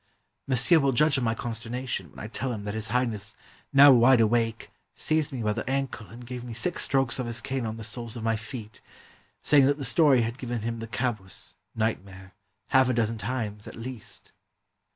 Monsieur will judge of my consternation when I tell him that His Highness, now wide awake, seized me by the ankle and gave me six strokes of his cane on the soles of my feet, saying that the story had given him the kabus (nightmare) half a dozen times at least."